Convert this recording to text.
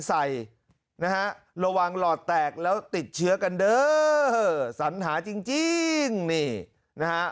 ใส่นะฮะระวังหลอดแตกแล้วติดเชื้อกันเด้อสัญหาจริงนี่นะฮะ